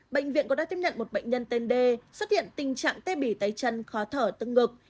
bệnh viện cũng đã tiếp nhận một bệnh nhân tên d xuất hiện tình trạng tê bỉ tay chân khó thở tức ngực